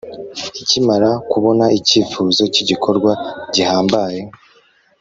Ikimara kubona icyifuzo cy igikorwa gihambaye